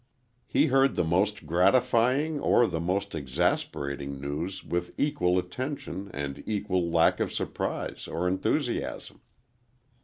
He heard the most gratifying or the most exasperating news with equal attention and equal lack of surprise or enthusiasm.